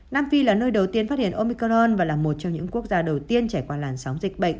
nam phi là nơi đầu tiên phát hiện omicron và là một trong những quốc gia đầu tiên trải qua làn sóng dịch bệnh